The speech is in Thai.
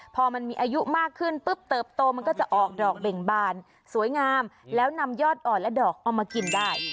พอมันมีอายุมากขึ้นปุ๊บเติบโตมันก็จะออกดอกเบ่งบานสวยงามแล้วนำยอดอ่อนและดอกเอามากินได้